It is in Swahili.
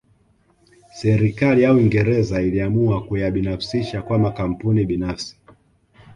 Serikali ya Uingereza iliamua kuyabinafsisha kwa makampuni binafsi